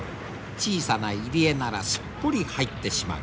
小さな入り江ならすっぽり入ってしまう。